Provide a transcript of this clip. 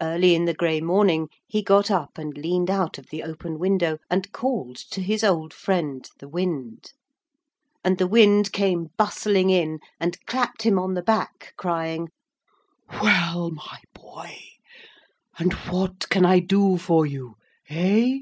Early in the grey morning he got up and leaned out of the open window and called to his old friend the wind. And the wind came bustling in and clapped him on the back, crying, 'Well, my boy, and what can I do for you? Eh?'